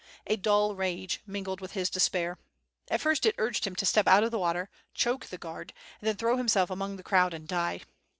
A dull rage mingled with his despair. At first it urged him to step out of the water, choke the guard, and then throw himself among the crowd and die.